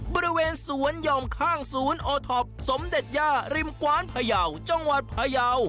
บริเวณสวนหย่อมข้างศูนย์โอท็อปสมเด็จย่าริมกว้านพยาวจังหวัดพยาว